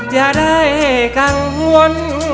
อย่าได้กังวล